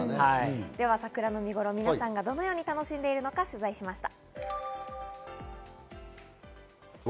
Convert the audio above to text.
桜の見ごろを皆さんがどのように楽しんでいるのか取材しました。